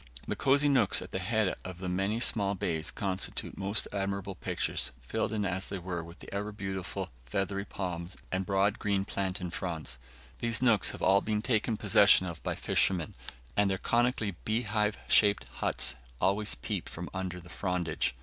The cosy nooks at the head of the many small bays constitute most admirable pictures, filled in as they are with the ever beautiful feathery palms and broad green plantain fronds. These nooks have all been taken possession of by fishermen, and their conically beehive shaped huts always peep from under the frondage.